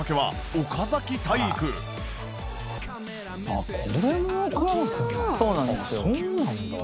「あっそうなんだ」